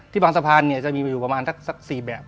ที่การสภาษณ์เนี่ยจะมีมาอยู่ประมาณสัก๔แบบ